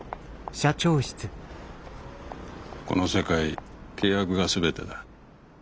この世界契約が全てだ。